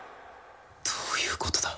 どういうことだ？